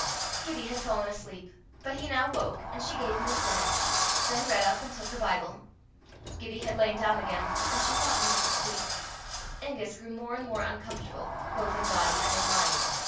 Gibbie had fallen asleep, but he now woke and she gave him his dinner; then redd up, and took her Bible. Gibbie had lain down again, and she thought he was asleep. Angus grew more and more uncomfortable, both in body and in mind.